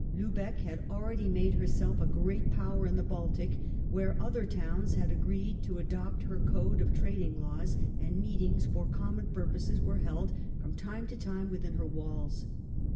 Liibeck had already made herself a great power in the Baltic, where other towns had agreed to adopt her code of trading laws, and meetings for common purposes were held from time to time within her walls.